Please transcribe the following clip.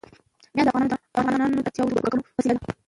بامیان د افغانانو د اړتیاوو د پوره کولو وسیله ده.